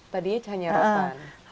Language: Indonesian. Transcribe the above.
tadinya cahannya rotan